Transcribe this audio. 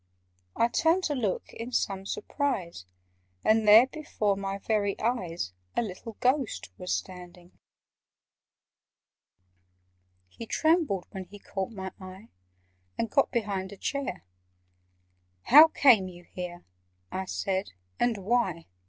I turned to look in some surprise, And there, before my very eyes, A little Ghost was standing! He trembled when he caught my eye, And got behind a chair. "How came you here," I said, "and why?